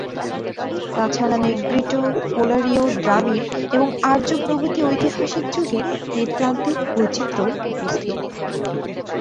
তাছাড়া নেগ্রিটো-কোলারীয়, দ্রাবিড় এবং আর্য প্রভৃতি ঐতিহাসিক যুগের নৃতাত্ত্বিক বৈচিত্র্যও উপস্থিত।